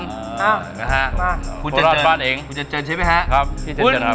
นะฮะบ้านคนรอดบ้านเองคุณเจนเจนใช่ไหมฮะครับพี่เจนเจนครับ